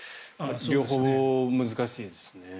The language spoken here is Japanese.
両方難しいですね。